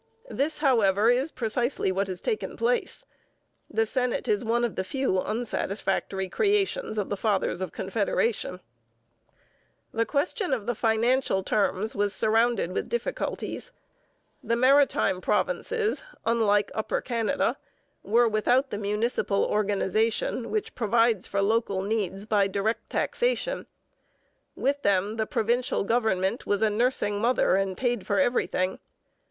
This, however, is precisely what has taken place. The Senate is one of the few unsatisfactory creations of the Fathers of Confederation. [Illustration: Sir John A. Macdonald. From the painting by A. Dickson Patterson.] The question of the financial terms was surrounded with difficulties. The Maritime Provinces, unlike Upper Canada, were without the municipal organization which provides for local needs by direct taxation. With them the provincial government was a nursing mother and paid for everything.